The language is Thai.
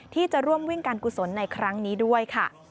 ที่จะร่วมวิ่งการกุศลในครั้งนี้ด้วยค่ะ